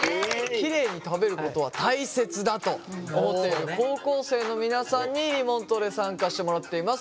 キレイに食べることは大切だと思っている高校生の皆さんにリモートで参加してもらっています。